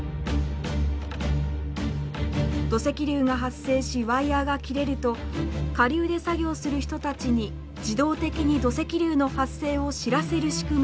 土石流が発生しワイヤーが切れると下流で作業する人たちに自動的に土石流の発生を知らせる仕組みになっています。